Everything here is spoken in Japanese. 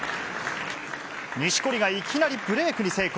錦織がいきなりブレークに成功。